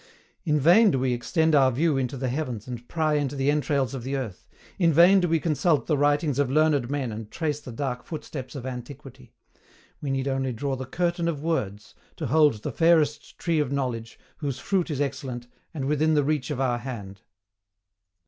In vain do we extend our view into the heavens and pry into the entrails of the earth, in vain do we consult the writings of learned men and trace the dark footsteps of antiquity we need only draw the curtain of words, to hold the fairest tree of knowledge, whose fruit is excellent, and within the reach of our hand.